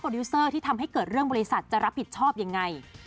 ดิวเซอร์ที่ทำให้เกิดเรื่องบริษัทจะรับผิดชอบยังไง